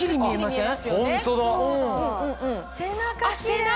背中